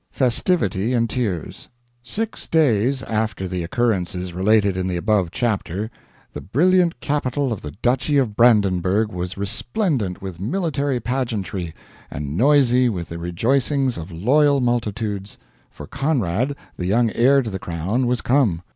FESTIVITY AND TEARS Six days after the occurrences related in the above chapter, the brilliant capital of the Duchy of Brandenburgh was resplendent with military pageantry, and noisy with the rejoicings of loyal multitudes; for Conrad, the young heir to the crown, was come.